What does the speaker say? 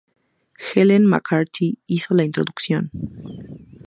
Helen McCarthy hizo la introducción.